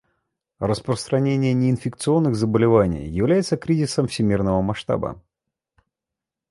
Распространение неинфекционных заболеваний является кризисом всемирного масштаба.